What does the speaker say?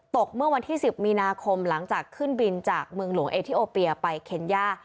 เมื่อวันที่๑๐มีนาคมหลังจากขึ้นบินจากเมืองหลวงเอทิโอเปียไปเคนย่า